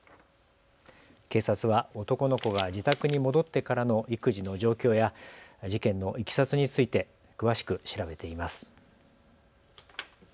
警察は男の子が自宅に戻ってからの育児の状況や事件のいきさつについて詳しく調べています。